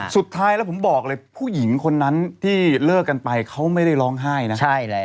สุดท้ายแล้วผมบอกเลยผู้หญิงคนนั้นที่เลิกกันไปเขาไม่ได้ร้องไห้นะ